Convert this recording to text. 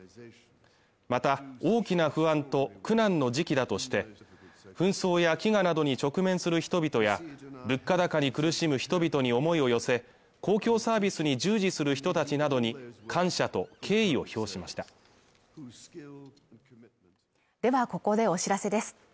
また大きな不安と苦難の時期だとして紛争や飢餓などに直面する人々や物価高に苦しむ人々に思いを寄せ公共サービスに従事する人たちなどに感謝と敬意を評しましたではここでお知らせです